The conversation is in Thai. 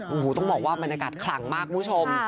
โอ้โหต้องบอกว่าบรรยากาศคลังมากคุณผู้ชม